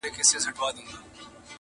• له کچکول سره فقېر را سره خاندي,